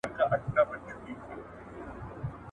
له علم او کتاب لوستلو سره اشنا وو.